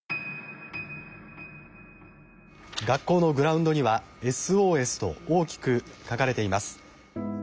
「学校のグラウンドには『ＳＯＳ』と大きく書かれています」。